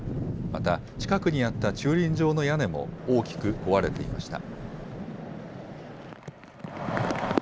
また、近くにあった駐輪場の屋根も大きく壊れていました。